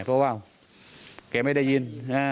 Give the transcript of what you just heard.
เพราะว่าแกไม่ได้ยิน